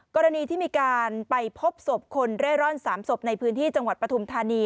กรณีที่มีการไปพบศพคนเร่ร่อน๓ศพในพื้นที่จังหวัดปฐุมธานี